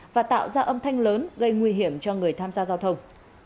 và tạo ra âm thanh lớn gây nguy hiểm cho người tham gia giao thông